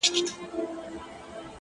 هغه به خپل زړه په ژړا وویني ـ